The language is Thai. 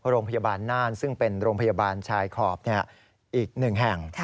โรงพยาบาลน่านซึ่งเป็นโรงพยาบาลชายขอบอีก๑แห่ง